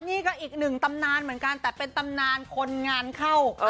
นี่ก็อีกหนึ่งตำนานเหมือนกันแต่เป็นตำนานคนงานเข้า